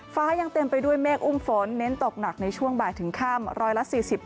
ยังเต็มไปด้วยเมฆอุ้มฝนเน้นตกหนักในช่วงบ่ายถึงค่ำร้อยละ๔๐